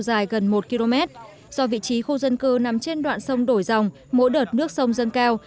dài gần một km do vị trí khu dân cư nằm trên đoạn sông đổi dòng mỗi đợt nước sông dâng cao